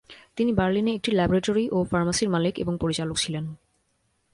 তিনি বার্লিনে একটি ল্যাবরেটরি ও ফার্মাসির মালিক এবং পরিচালক ছিলেন।